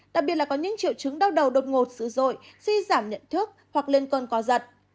đặc biệt là có những triệu chứng đau đầu đột ngột sử dụng suy giảm nhận thức hoặc lên cơn co giật